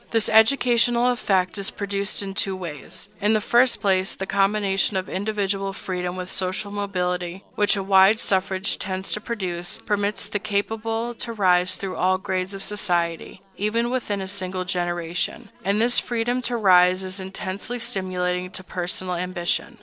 This educational effect is produced in two ways: In the first place, the combination of individual freedom with social mobility, which a wide suffrage tends to produce, permits the capable to rise through all grades of society, even within a single generation; and this freedom to rise is intensely stimulating to personal ambition.